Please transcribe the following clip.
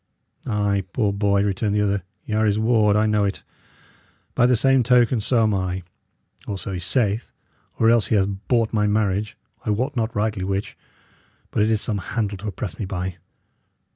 "Ay, poor boy," returned the other, "y' are his ward, I know it. By the same token, so am I, or so he saith; or else he hath bought my marriage I wot not rightly which; but it is some handle to oppress me by."